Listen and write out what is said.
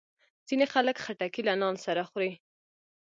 ځینې خلک خټکی له نان سره خوري.